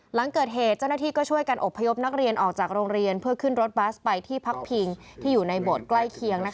หลังเกิดเหตุเจ้าหน้าที่ก็ช่วยกันอบพยพนักเรียนออกจากโรงเรียนเพื่อขึ้นรถบัสไปที่พักพิงที่อยู่ในโบสถ์ใกล้เคียง